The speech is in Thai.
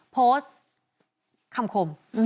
โพสต์คำคม